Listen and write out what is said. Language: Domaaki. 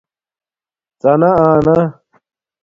ڎانا انا